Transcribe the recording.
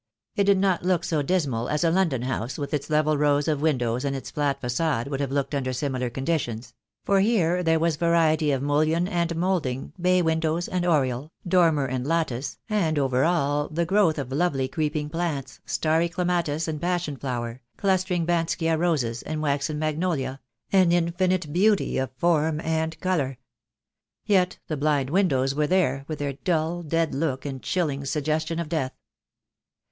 It did not look so dismal as a London house with its level rows of windows and its flat facade would have looked under similar conditions; for here there was variety of mullion and moulding, bay windows and oriel, dormer and lattice, and over all the growth of lovely creeping plants, starry clematis and passion flower, clustering Banksia roses and waxen magnolia, an infinite beauty of form and colour. Yet the blind windows were there, with their dull, dead look and chilling suggestion of death.